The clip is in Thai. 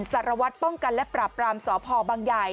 สารวัตรป้องกันและปราบรามสพบังใหญ่